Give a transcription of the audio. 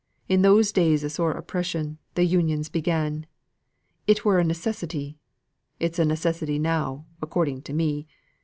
In those days of sore oppression th' Unions began; it were a necessity. It's a necessity now, according to me.